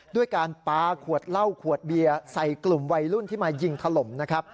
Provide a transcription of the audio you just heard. ด้วยการปลาขวดเหล้าขวดเบียร์ใส่กลุ่มวัยรุ่นที่มายิงถล่มนะครับ